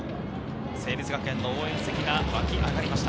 成立学園の応援席が沸き上がりました。